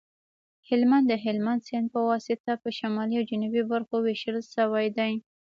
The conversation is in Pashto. هلمند د هلمند سیند په واسطه په شمالي او جنوبي برخو ویشل شوی دی